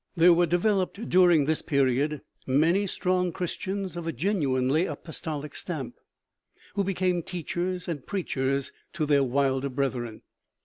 There were developed during this period many strong Christians of a genuinely apostolic stamp, who became teachers and preachers to their wilder brethren.